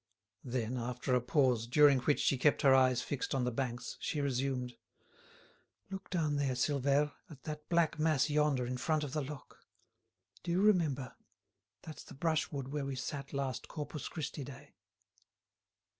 Then, after a pause, during which she kept her eyes fixed on the banks, she resumed: "Look down there, Silvère, at that black mass yonder in front of the lock. Do you remember? That's the brushwood where we sat last Corpus Christi Day."